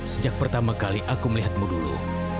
sejak pertama kali aku melihatmu dulu